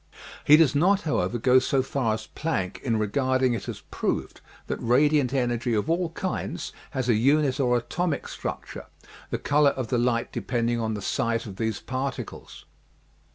He does not, however, go so far as Planck in regard ing it as proved that radiant energy of all kinds has THE WEIGHT OF LIGHT 96 a unit or atomic structure, the color of the light de pending on the size of these particles.